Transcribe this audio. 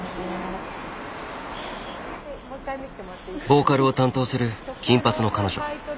ボーカルを担当する金髪の彼女。